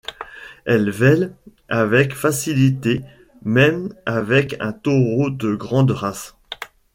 Elles vêlent avec facilité, même avec un taureau de grande race.